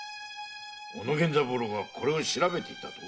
小野源三郎がこれを調べていたと？